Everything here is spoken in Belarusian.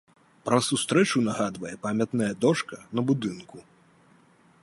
Пра сустрэчу нагадвае памятная дошка на будынку.